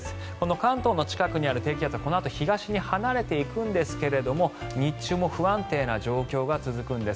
関東の近くにある低気圧はこのあと東に離れていくんですが日中も不安定な状況が続くんです。